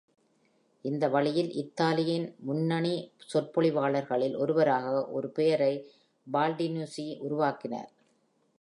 இந்த வழியில் இத்தாலியின் முன்னணி சொற்பொழிவாளர்களில் ஒருவராக ஒரு பெயரை பால்டினுசி உருவாக்கினார்.